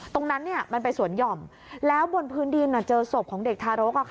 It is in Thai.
มันเป็นสวนหย่อมแล้วบนพื้นดินเจอศพของเด็กทารก